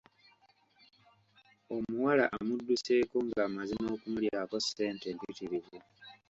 Omuwala amudduseeko ng'amaze n'okumulyako ssente mpitirivu.